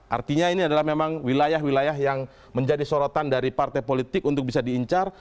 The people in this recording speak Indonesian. artinya ini adalah memang wilayah wilayah yang menjadi sorotan dari partai politik untuk bisa diincar